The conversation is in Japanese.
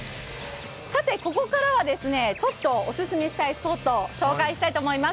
さて、ここからはちょっとオススメしたいスポットを紹介したいと思います。